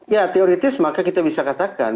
ya teoritis maka kita bisa katakan